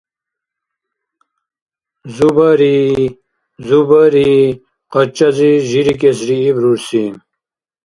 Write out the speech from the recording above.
– Зубари-и-и! Зубари-и-и! – къачази жирикӀесрииб рурси.